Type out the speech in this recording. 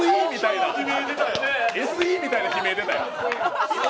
ＳＥみたいな悲鳴、出たよ。